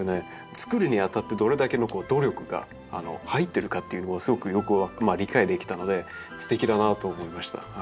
つくるにあたってどれだけの努力が入ってるかというのがすごくよく理解できたのですてきだなと思いました。